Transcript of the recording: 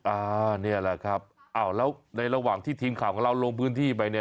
อ่านี่แหละครับอ้าวแล้วในระหว่างที่ทีมข่าวของเราลงพื้นที่ไปเนี่ย